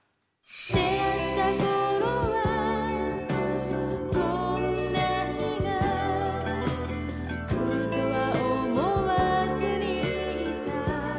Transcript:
「出逢った頃はこんな日が来るとは思わずにいた」